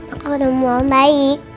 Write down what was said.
aku udah mau balik